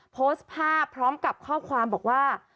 โพสต์ภาพพร้อมกับข้อความบอกว่า